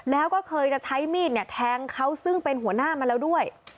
แล้วก็เคยจะใช้มีดเนี่ยแทงเขาซึ่งเป็นหัวหน้ามาแล้วด้วย